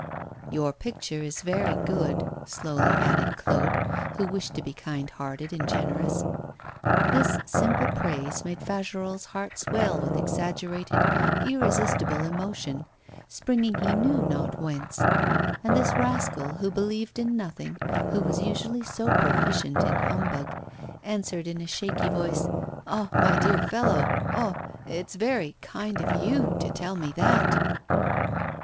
'Your picture is very good,' slowly added Claude, who wished to be kind hearted and generous. This simple praise made Fagerolles' heart swell with exaggerated, irresistible emotion, springing he knew not whence; and this rascal, who believed in nothing, who was usually so proficient in humbug, answered in a shaky voice: 'Ah! my dear fellow, ah! it's very kind of you to tell me that!